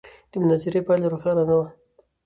د مناظرې پایله روښانه نه وه.